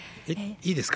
いいですか？